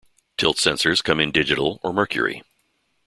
Tilt sensors come in digital or mercury.